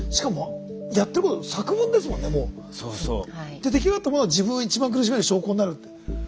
で出来上がったものが自分を一番苦しめる証拠になるって。